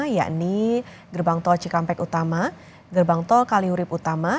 yakni gerbang tol cikampek utama gerbang tol kaliurip utama